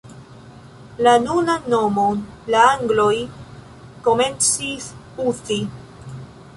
La nunan nomon la angloj komencis uzi.